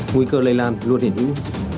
nguy cơ lây lan luôn hiển hữu